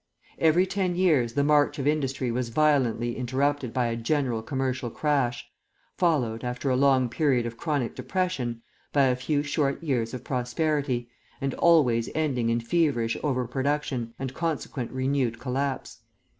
Every ten years the march of industry was violently interrupted by a general commercial crash, followed, after a long period of chronic depression, by a few short years of prosperity, and always ending in feverish over production and consequent renewed collapse.